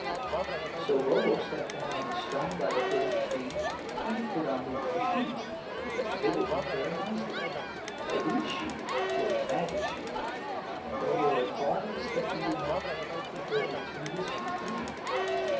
So Bobo sat down on a stone by the foot of the tree, and put on the wooden shoes, which fitted him very nicely. Now these shoes were magic shoes, and Bobo had hardly stepped into them before they turned his feet inland.